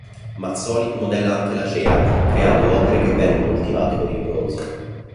Mazzoli modella anche la cera creando opere che vengono ultimate con il bronzo.